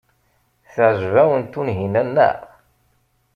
Teɛjeb-awen Tunhinan, naɣ?